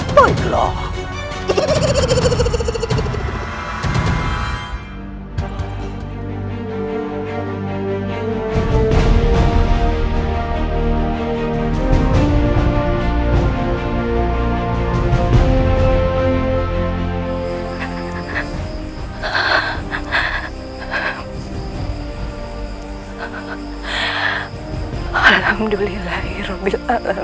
menurutmu nurutmu hukuman dijalan